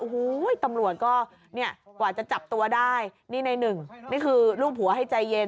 โอ้โหตำรวจก็เนี่ยกว่าจะจับตัวได้นี่ในหนึ่งนี่คือลูกผัวให้ใจเย็น